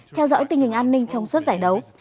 theo dõi tình hình an ninh trong suốt giải đấu